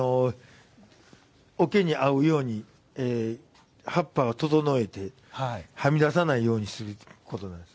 おけに合うように葉っぱを整えてはみ出さないようにすることです。